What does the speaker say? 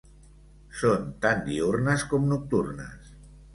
Són tant diürnes com nocturnes.